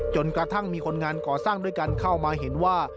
จนกระทั่งมีคนงานก่อสร้างด้วยกันเข้ามาเห็นว่า